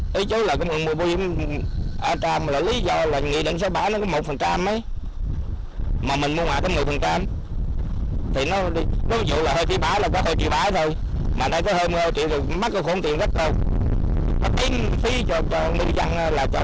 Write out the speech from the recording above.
công suất bốn trăm năm mươi cv từ vốn vay nghị định sáu bảy với số tiền ba bốn tỷ đồng